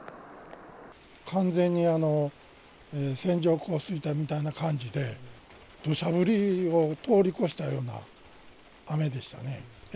完全に線状降水帯みたいな感じで、どしゃ降りを通り越したような雨でしたね。